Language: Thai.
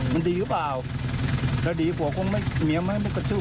มันดีหรือเปล่าถ้าดีกว่าผัวก็ไม่รู้